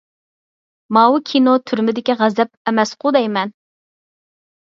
ماۋۇ كىنو «تۈرمىدىكى غەزەپ» ئەمەسقۇ دەيمەن.